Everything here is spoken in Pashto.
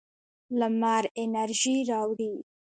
لمر انرژي راوړي.